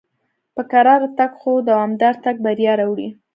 په کراره تګ خو دوامدار تګ بریا راوړي.